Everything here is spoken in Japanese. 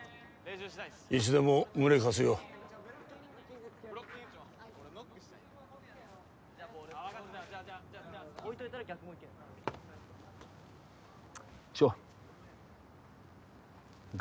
いつでも胸貸すよ翔賀